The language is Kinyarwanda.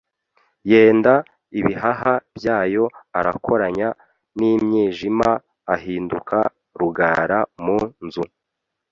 Yenda ibihaha byayo arakoranya n’imyijima Ahinduka rugara mu nzu